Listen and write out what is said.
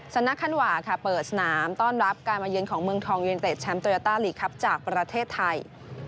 นักคันหว่าค่ะเปิดสนามต้อนรับการมาเยือนของเมืองทองยูเนเต็ดแชมป์โตยาต้าลีกครับจากประเทศไทย